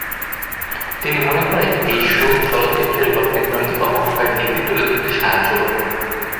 তিনি মনে করেন এই সুর চলচ্চিত্রের গল্পের নৈতিক অবক্ষয়ের দিকটি তুলে ধরতে সাহায্য করে।